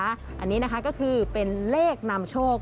อันนี้นะคะก็คือเป็นเลขนำโชค